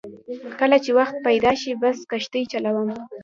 کله چې وخت پیدا شي بس کښتۍ چلوم.